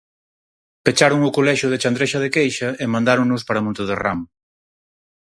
Pecharon o colexio de Chandrexa de Queixa e mandáronos para Montederramo.